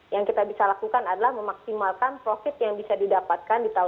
yang kita bisa lakukan adalah memaksimalkan profit yang bisa didapatkan